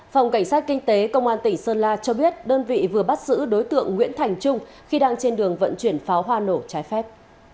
phòng cảnh sát kinh tế công an tỉnh sơn la cho biết đơn vị vừa bắt giữ đối tượng nguyễn thành trung khi đang trên đường vận chuyển pháo hoa nổ trái phép